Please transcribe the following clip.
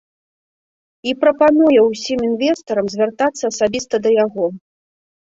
І прапануе ўсім інвестарам звяртацца асабіста да яго.